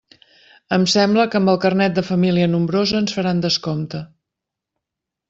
Em sembla que amb el carnet de família nombrosa ens faran descompte.